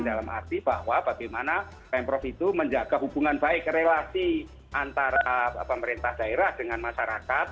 dalam arti bahwa bagaimana pemprov itu menjaga hubungan baik relasi antara pemerintah daerah dengan masyarakat